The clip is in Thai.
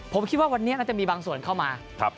ผมคิดว่าวันนี้น่าจะมีบางส่วนเข้ามา